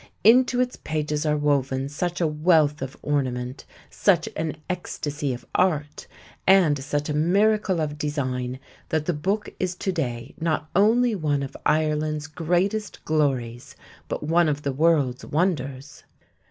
Into its pages are woven such a wealth of ornament, such an ecstasy of art, and such a miracle of design that the book is today not only one of Ireland's greatest glories but one of the world's wonders.